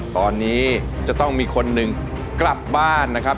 ตอนนี้จะต้องมีคนหนึ่งกลับบ้านนะครับ